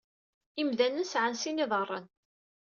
Imdanen sɛan sin n yiḍaṛṛen.